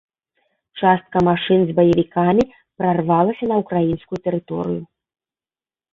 Частка машын з баевікамі прарвалася на ўкраінскую тэрыторыю.